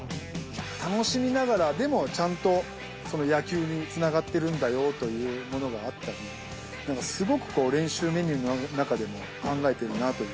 楽しみながらでもちゃんとその野球につながってるんだよというものがあったり、すごく練習メニューの中でも、考えてるなという。